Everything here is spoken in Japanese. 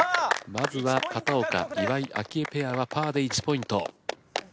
まずは片岡・岩井明愛ペアはパーで１ポイント。